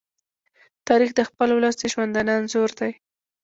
تاریخ د خپل ولس د ژوندانه انځور دی.